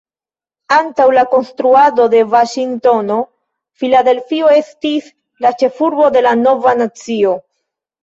Antaŭ la konstruado de Vaŝingtono, Filadelfio estis la ĉefurbo de la nova nacio.